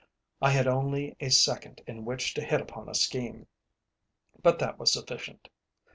I had only a second in which to hit upon a scheme, but that was sufficient.